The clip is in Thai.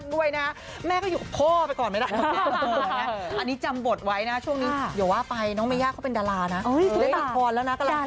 เดี๋ยวพอแล้วนะก็ล่างถ่ายอยู่ดาราทักหนึ่งอ๋อเหรอ